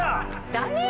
ダメよ